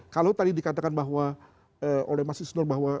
lalu tadi dikatakan bahwa eh oleh mas isner bahwa